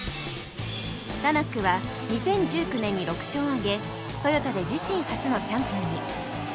タナックは２０１９年に６勝を挙げトヨタで自身初のチャンピオンに